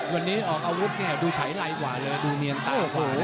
วันนี้ออกอาวุธเนี่ยดูฉายไรกว่าเลยดูเนียนตากว่า